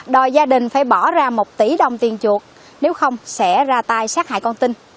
đòi gia đình phải bỏ ra một tỷ đồng tiền chuột nếu không sẽ ra tay sát hại con tin